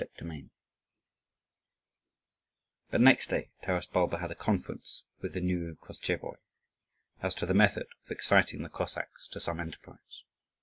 CHAPTER IV But next day Taras Bulba had a conference with the new Koschevoi as to the method of exciting the Cossacks to some enterprise.